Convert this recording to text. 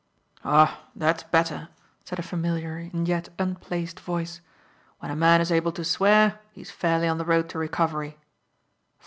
"Ah! That's better," said a familiar and yet "unplaced" voice. "When a man is able to swear, he is fairly on the road to recovery."